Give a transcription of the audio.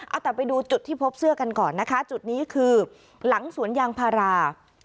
เอาแต่ไปดูจุดที่พบเสื้อกันก่อนนะคะจุดนี้คือหลังสวนยางพารา